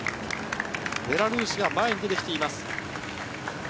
ベラルーシが前に出てきています。